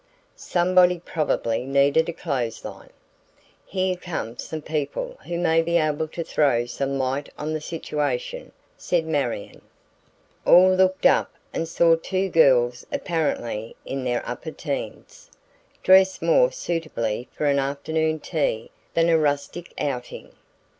"Somebody probably needed a clothesline." "Here come some people who may be able to throw some light on the situation," said Marion. All looked up and saw two girls apparently in their "upper teens," dressed more suitably for an afternoon tea than a rustic outing.